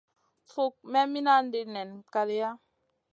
Suk me minandi nen kaleya.